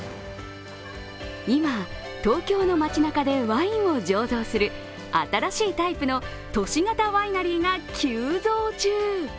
今、東京の街なかでワインを醸造する新しいタイプの都市型ワイナリーが急増中。